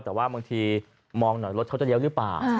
แต่ว่าบางทีมองหน่อยรถเขาจะเลี้ยวหรือเปล่า